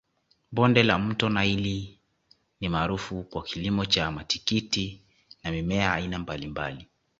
Bonde la mto naili ni maarufu kwa kilimo cha matikiti na mimea aina mbalimbali